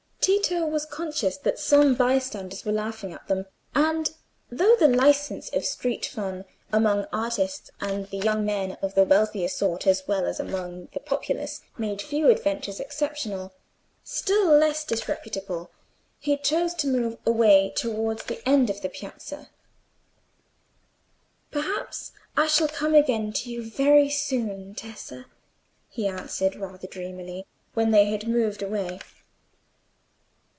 Tito was conscious that some bystanders were laughing at them, and though the licence of street fun, among artists and young men of the wealthier sort as well as among the populace, made few adventures exceptional, still less disreputable, he chose to move away towards the end of the piazza. "Perhaps I shall come again to you very soon, Tessa," he answered, rather dreamily, when they had moved away.